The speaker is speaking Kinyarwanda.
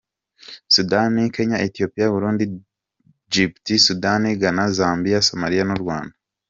Sudani, Kenya, Ethiopia, Burundi, Djibouti , Sudan, Ghana, Zambia, Somalia n’u Rwanda.